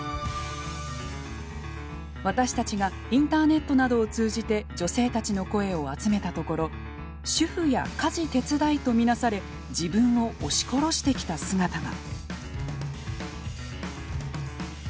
私たちがインターネットなどを通じて女性たちの声を集めたところ主婦や家事手伝いと見なされ自分を押し殺してきた姿が。